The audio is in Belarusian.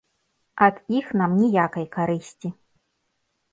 Ад іх нам ніякай карысці.